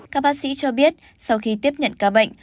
các bác sĩ cho biết sau khi tiếp nhận ca bệnh